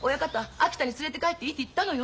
秋田に連れて帰っていいって言ったのよ？